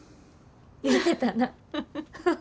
言うてたな。